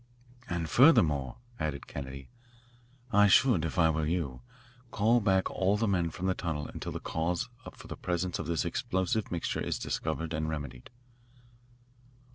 "And, furthermore," added Kennedy, "I should, if I were you, call back all the men from the tunnel until the cause for the presence of this explosive mixture is discovered and remedied."